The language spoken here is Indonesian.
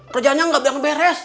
kerjaannya nggak beres